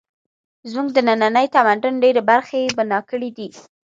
زموږ د ننني تمدن ډېرې برخې یې بنا کړې دي